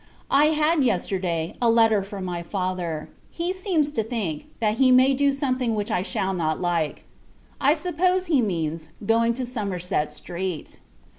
I had, yesterday, a letter from my father; he seems to think, that he may do something which I shall not like. I suppose, he means, going to Somerset Street.